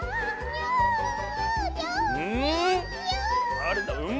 だれだうん？